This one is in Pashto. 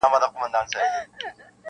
څه ګلاب سوې څه نرګس او څه سنبل سوې.